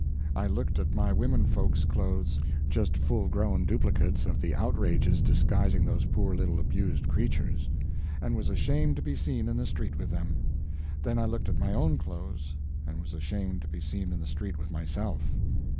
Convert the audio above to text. I looked at my womenfolk's clothes just full grown duplicates of the outrages disguising those poor little abused creatures and was ashamed to be seen in the street with them. Then I looked at my own clothes, and was ashamed to be seen in the street with myself.